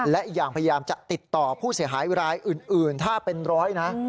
และอีกอย่างพยายามจะติดต่อผู้เสียหายรายอื่นถ้าเป็นร้อยนะ